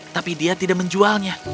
tapi dia tidak menjualnya